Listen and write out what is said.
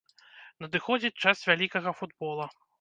Надыходзіць час вялікага футбола!